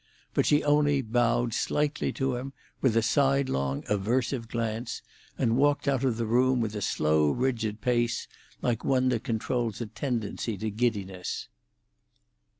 But she only bowed slightly to him, with a sidelong, aversive glance, and walked out of the room with a slow, rigid pace, like one that controls a tendency to giddiness.